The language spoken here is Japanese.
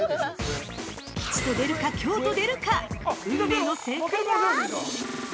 ◆吉と出るか凶と出るか運命の正解は？